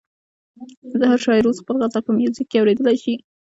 هر شاعر اوس خپل غزل په میوزیک کې اورېدلی شي.